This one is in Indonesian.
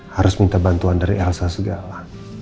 harus minta bantuan dari elsa segala